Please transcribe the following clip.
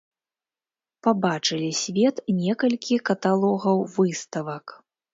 Пабачылі свет некалькі каталогаў выставак.